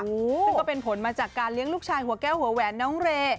ซึ่งก็เป็นผลมาจากการเลี้ยงลูกชายหัวแก้วหัวแหวนน้องเร